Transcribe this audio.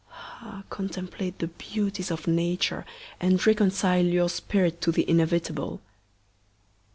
Ah! contemplate the beauties of Nature, and reconcile your spirit to the inevitable.